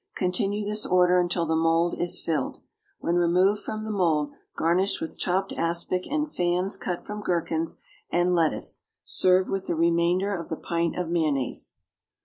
Continue this order until the mould is filled. When removed from the mould, garnish with chopped aspic and fans cut from gherkins and lettuce. Serve with the remainder of the pint of mayonnaise.